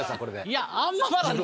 いやあんままだね